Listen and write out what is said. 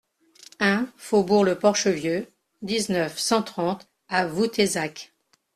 un faubourg le Porche Vieux, dix-neuf, cent trente à Voutezac